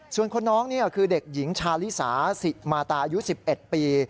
ส่วนคนน้องคือเด็กหญิงชาลิสาสิมาตาอายุ๑๑ปี